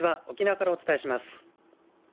沖縄からお伝えします。